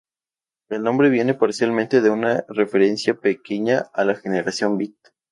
El nombre viene, parcialmente, de una referencia pequeña a la Generación beat.